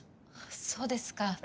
そうですか。